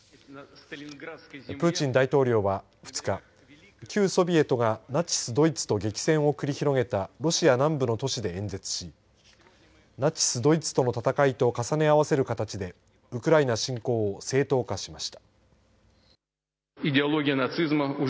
プーチン大統領は２日旧ソビエトがナチス・ドイツと激戦を繰り広げたロシア南部の都市で演説しナチス・ドイツとの戦いと重ね合わせる形でウクライナ侵攻を正当化しました。